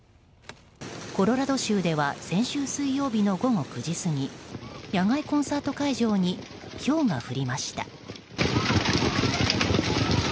コロラド州では先週水曜日の午後９時過ぎ野外コンサート会場にひょうが降りました。